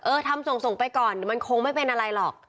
เออทำส่งไปก่อนมันคงไม่เป็นอะไรหรอก